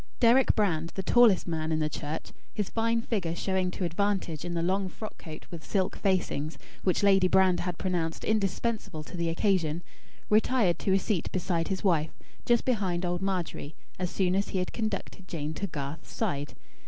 Deryck Brand, the tallest man in the church, his fine figure showing to advantage in the long frock coat with silk facings, which Lady Brand had pronounced indispensable to the occasion, retired to a seat beside his wife, just behind old Margery, as soon as he had conducted Jane to Garth's side.